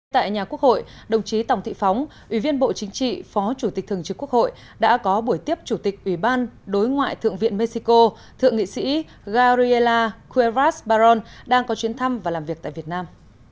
tại nhà quốc hội đồng chí tòng thị phóng ủy viên bộ chính trị phó chủ tịch thường trực quốc hội đã có buổi tiếp chủ tịch ủy ban đối ngoại thượng viện mexico thượng nghị sĩ gariela khueras baron đang có chuyến thăm và làm việc tại việt nam